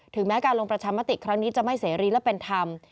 แม้การลงประชามติครั้งนี้จะไม่เสรีและเป็นธรรม